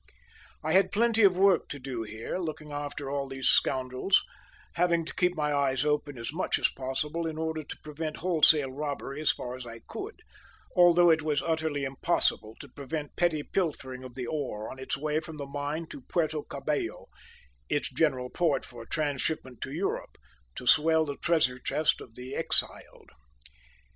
I had plenty of work to do here, looking after all these scoundrels, having to keep my eyes open as much as possible in order to prevent wholesale robbery as far as I could, although it was utterly impossible to prevent petty pilfering of the ore on its way from the mine to Puerto Cabello, its general port for transhipment to Europe, to swell the treasure chest of the exiled.